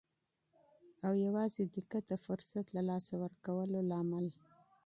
او یوازې دقت د فرصت له لاسه ورکولو لامل.